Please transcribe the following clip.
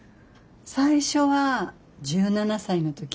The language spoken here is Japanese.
最初は１７歳の時。